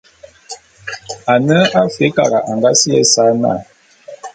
Ane Afrikara a nga sili ésa na.